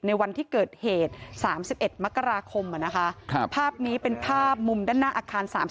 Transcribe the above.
วันที่เกิดเหตุ๓๑มกราคมภาพนี้เป็นภาพมุมด้านหน้าอาคาร๓๔